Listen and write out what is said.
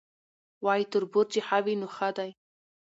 وایي تربور چي ښه وي نو ښه دی